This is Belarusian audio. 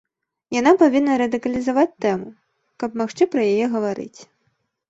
Яна павінна радыкалізаваць тэму, каб магчы пра яе гаварыць.